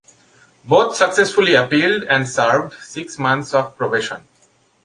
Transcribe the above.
Both successfully appealed and served six months of probation.